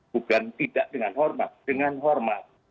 bukan tidak dengan hormat dengan hormat